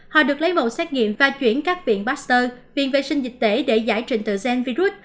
họ được lấy mẫu xét nghiệm và chuyển các viện bác sơ viện vệ sinh dịch tễ để giải trình tựa gian virus